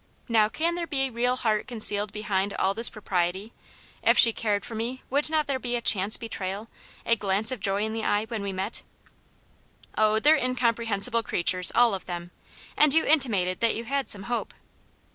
Now, can there be real heart concealed behind all this propriety ? If she cared for me would not there be a chance betrayal, a glance of joy in the eye when we met ?" "Oh, they're incomprehensible creatures, all of them. And you intimated that you had some hope."